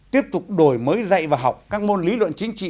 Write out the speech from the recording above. tiếp tục đổi mới dạy và học các môn lý luận chính trị